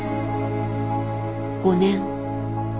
５年。